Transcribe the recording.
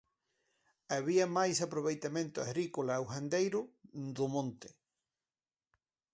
Había máis aproveitamento agrícola ou gandeiro do monte.